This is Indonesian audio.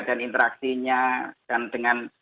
dan interaksinya dan dengan